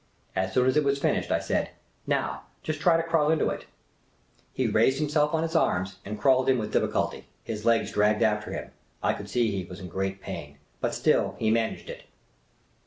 As soon as it was finished, I said, " Now, just try to crawl into it." He raised himself on his arms and crawled in with diffi HO ^ Miss Cayley's Adventures culty. His legs dragged after him. I could see he was in great pain. But still, he managed it.